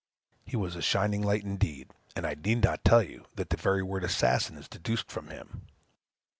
He was a shining light, indeed, and I need not tell you, that the very word "assassin" is deduced from him.